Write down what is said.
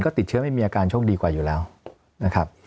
ก็ติดเชื้อไม่มีอาการโชคดีกว่าอยู่แล้วนะครับ